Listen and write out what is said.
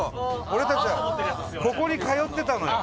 俺たち、ここに通ってたのよ。